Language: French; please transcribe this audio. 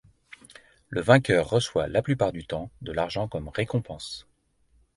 Le vainqueur reçoit la plupart du temps de l'argent comme récompense.